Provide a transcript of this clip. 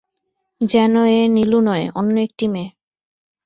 যেন এ নীলু নয়, অন্য একটি মেয়ে।